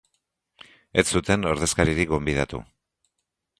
Ez zuten ordezkaririk gonbidatu.